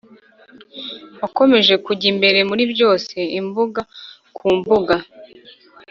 wakomeje kujya imbere muri byose, imbuga ku mbuga.